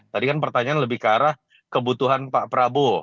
tadi kan pertanyaan lebih ke arah kebutuhan pak prabowo